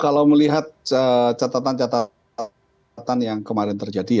kalau melihat catatan catatan yang kemarin terjadi